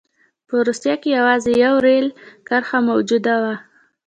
په روسیه کې یوازې یوه رېل کرښه موجوده وه.